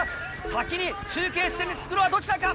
先に中継地点に着くのはどちらか？